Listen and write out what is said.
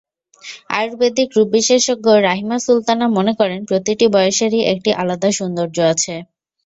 আয়ুর্বেদিক রূপবিশেষজ্ঞ রাহিমা সুলতানা মনে করেন, প্রতিটি বয়সেরই একটি আলাদা সৌন্দর্য আছে।